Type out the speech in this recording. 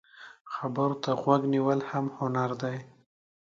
خبرو ته غوږ نیول هم هنر دی